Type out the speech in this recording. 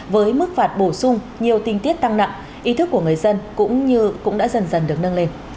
với mức phạt bổ sung nhiều tinh tiết tăng nặng ý thức của người dân cũng như cũng đã dần dần được nâng lên